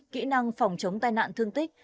kỹ năng phòng chống tai nạn thương tích